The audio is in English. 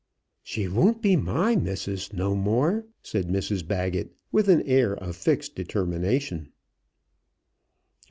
"She won't be my missus no more," said Mrs Baggett, with an air of fixed determination.